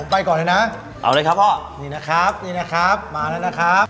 ไปก่อนเลยนะเอาเลยครับพ่อนี่นะครับนี่นะครับมาแล้วนะครับ